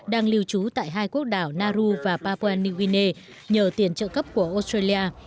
đang lưu trú tại hai quốc đảo nauru và papua new guinea nhờ tiền trợ cấp của australia